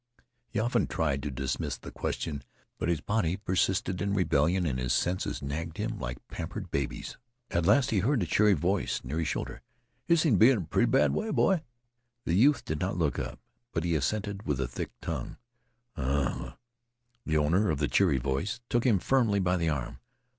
He often tried to dismiss the question, but his body persisted in rebellion and his senses nagged at him like pampered babies. At last he heard a cheery voice near his shoulder: "Yeh seem t' be in a pretty bad way, boy?" The youth did not look up, but he assented with thick tongue. "Uh!" The owner of the cheery voice took him firmly by the arm.